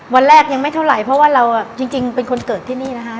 วันแรกยังไม่เท่าไหร่เพราะว่าเราจริงเป็นคนเกิดที่นี่นะคะ